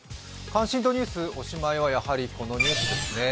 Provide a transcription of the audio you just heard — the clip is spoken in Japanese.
関心度ニュース、おしまいはやはりこのニュースですね。